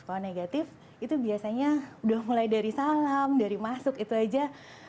kalau negatif itu biasanya udah mulai dari salam dari masuk itu aja